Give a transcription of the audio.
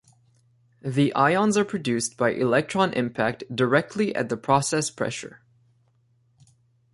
The ions are produced by electron impact directly at the process pressure.